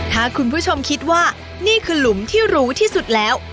ถ้าคุณผู้ชมคิดว่านี่คือหลุมที่รู้ที่สุดแล้ว